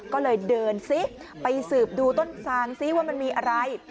ก็เลยเดินซิไปสืบดูต้นซางซิว่ามันมีอะไร